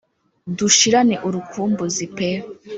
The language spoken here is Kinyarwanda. dushirane urukumbuzi peee.